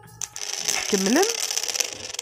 Tkemmlem.